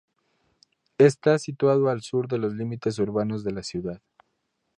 Está situado al sur de los límites urbanos de la ciudad.